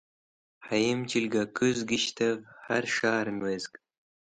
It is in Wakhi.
Hẽyem chelgakẽ kũzgish hẽr sharvẽn wezg